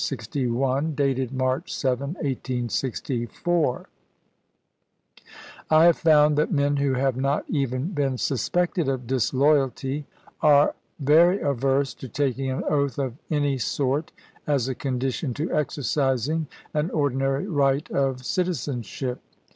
61, dated March 7, 1864. I have found that men who have not even been suspected of disloyalty are very averse to taking an oath of any sort as a condition to exercising an ordinary right of citizenship.